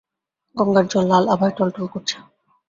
গঙ্গার জল লাল আভায় টলটল করছে।